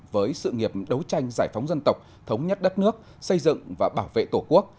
với sự nghiệp đấu tranh giải phóng dân tộc thống nhất đất nước xây dựng và bảo vệ tổ quốc